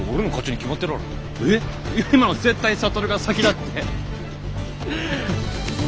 えっ今のは絶対に智が先だって！